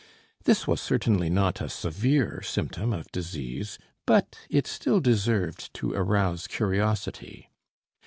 This was certainly not a severe symptom of disease, but it still deserved to arouse curiosity.